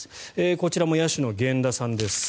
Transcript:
こちらも野手の源田さんです。